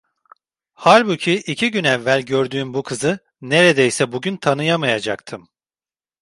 Halbuki iki gün evvel gördüğüm bu kızı neredeyse bugün tanıyamayacaktım.